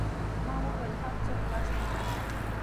ما و ویل: هر څه خلاص دي.